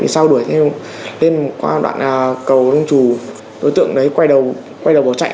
sau đuổi thêm lên qua đoạn cầu đông trù đối tượng đấy quay đầu bỏ chạy